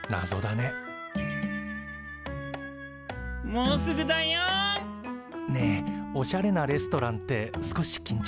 もうすぐだよ。ねえおしゃれなレストランって少しきんちょうしない？